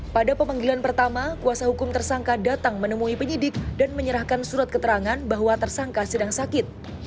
pada pemanggilan pertama kuasa hukum tersangka datang menemui penyidik dan menyerahkan surat keterangan bahwa tersangka sedang sakit